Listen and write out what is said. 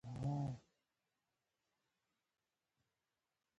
ټینګ امنیتي تدابیر نیول شوي.